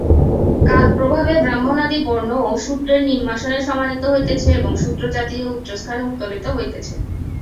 কালপ্রভাবে ব্রাহ্মণাদি বর্ণও শূদ্রের নিম্নাসনে সমানীত হইতেছে এবং শূদ্রজাতিও উচ্চস্থানে উত্তোলিত হইতেছে।